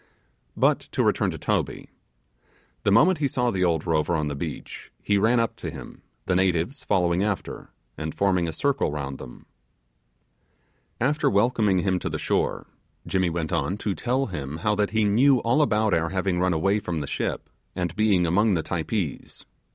But to return to Toby. The moment he saw the old rover on the beach, he ran up to him, the natives following after, and forming a circle round them. After welcoming him to the shore, Jimmy went on to tell him how that he knew all about our having run away from the ship, and being among the Typees.